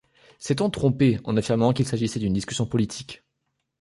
S’est-on trompé en affirmant qu’il s’agissait d’une discussion politique ?